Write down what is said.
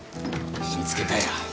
見つけたよ。